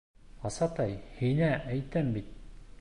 Асатай, һиңә әйтәм бит!